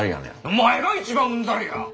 お前が一番うんざりや！